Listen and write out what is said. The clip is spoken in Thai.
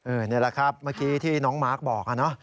นี่แหละครับเมื่อกี้ที่น้องมาร์คบอกเนอะ